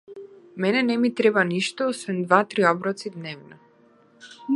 Мене не ми треба ништо, освен два-три оброци дневно.